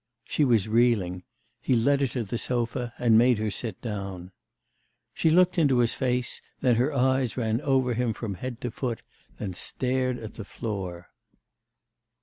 She was reeling. He led her to the sofa, and made her sit down. She looked into his face, then her eyes ran over him from head to foot, then stared at the floor.